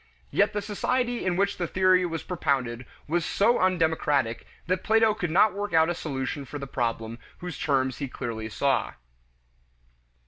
Yet the society in which the theory was propounded was so undemocratic that Plato could not work out a solution for the problem whose terms he clearly saw.